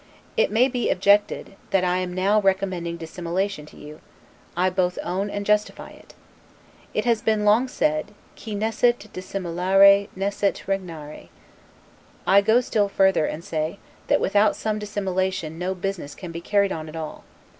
It may be objected, that I am now recommending dissimulation to you; I both own and justify it. It has been long said, 'Qui nescit dissimulare nescit regnare': I go still further, and say, that without some dissimulation no business can be carried on at all.